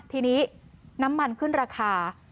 ทีนี้น้ำมันขึ้นราคา